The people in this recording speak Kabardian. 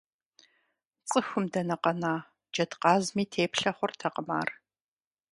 ЦӀыхум дэнэ къэна, джэдкъазми теплъэ хъуртэкъым ар!